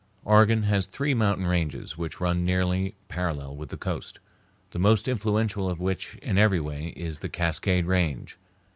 Oregon has three mountain ranges which run nearly parallel with the coast, the most influential of which, in every way, is the Cascade Range.